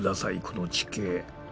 この地形。